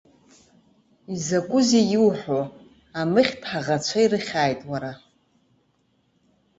Изакәызеи иуҳәо, амыхьтә ҳаӷацәа ирыхьааит, уара.